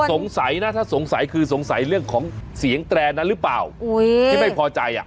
สงสัยนะถ้าสงสัยคือสงสัยเรื่องของเสียงแตรนนั้นหรือเปล่าอุ้ยที่ไม่พอใจอ่ะ